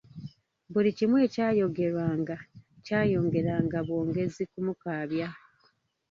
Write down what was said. Buli kimu ekyayogeranga kyayongera bwongezi kumukaabya.